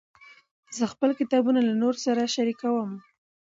زه خپل کتابونه له نورو سره شریکوم.